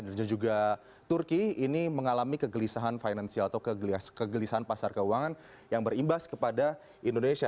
dan juga turki ini mengalami kegelisahan finansial atau kegelisahan pasar keuangan yang berimbas kepada indonesia